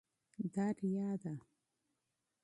دا ریا ده.